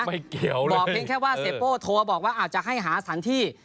บอกเพียงแค่ว่าเซโป้โทรบอกว่าอาจจะให้หาสันที่